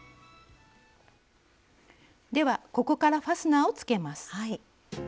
ではここからファスナーをつけます。